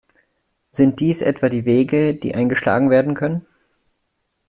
Sind dies etwa die Wege, die eingeschlagen werden können?